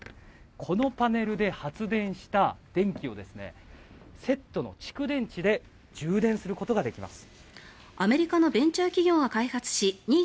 このパネルで発電した電気をセットの蓄電池で充電することができます。